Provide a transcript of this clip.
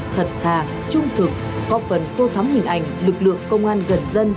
thật thà trung thực góp phần tô thắm hình ảnh lực lượng công an gần dân trọng dân hết lòng vì nhân dân phục vụ